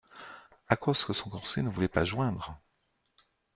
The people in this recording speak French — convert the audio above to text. À cause que son corset ne voulait pas joindre !